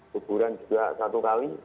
kuburan juga satu kali